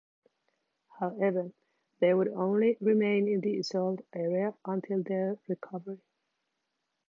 However, they would only remain in the assault area until their recovery.